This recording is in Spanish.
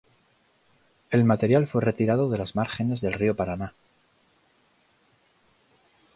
El material fue retirado de las márgenes del río Paraná.